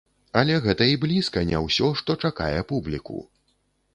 Але гэта і блізка не ўсё, што чакае публіку.